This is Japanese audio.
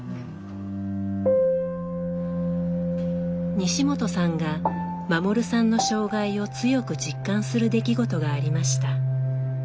西本さんが護さんの障害を強く実感する出来事がありました。